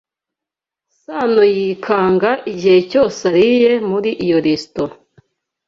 Sanoyikanga igihe cyose ariye muri iyo resitora.